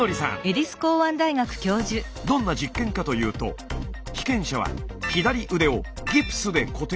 どんな実験かというと被験者は左腕をギプスで固定。